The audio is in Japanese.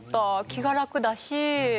気が楽だし。